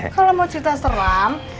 kalau mau cerita serem